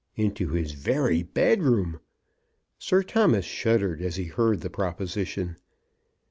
Into his very bed room! Sir Thomas shuddered as he heard the proposition.